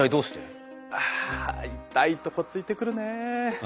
あ痛いとこついてくるね。